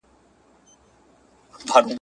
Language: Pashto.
چي په افغانستان کي یې ږغول ناروا دي، ږغوي !.